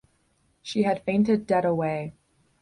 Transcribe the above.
She had fainted dead away.